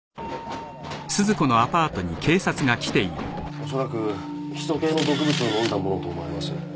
おそらくヒ素系の毒物を飲んだものと思われます。